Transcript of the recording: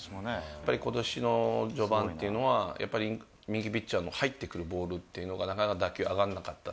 やっぱりことしの序盤というのは、やっぱり右ピッチャーの入ってくるボールっていうのが、なかなか打球、上がらなかった。